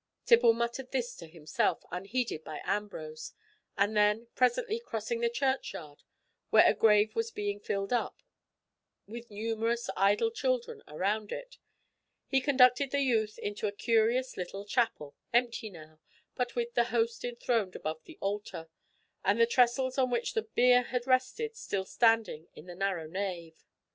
Tibble muttered this to himself, unheeded by Ambrose, and then presently crossing the church yard, where a grave was being filled up, with numerous idle children around it, he conducted the youth into a curious little chapel, empty now, but with the Host enthroned above the altar, and the trestles on which the bier had rested still standing in the narrow nave.